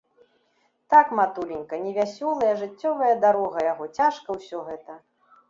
Так, матуленька, невясёлая жыццёвая дарога яго, цяжка ўсё гэта.